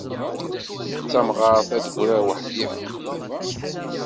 D tamɣart a d-griɣ weḥd-i.